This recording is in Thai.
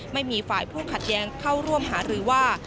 ไม่มีฝ่ายผู้ขัดแย้งเข้าร่วมหารือว่า